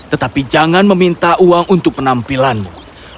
tetapi jangan meminta uang untuk penampilanmu